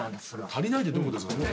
足りないってどういうことです？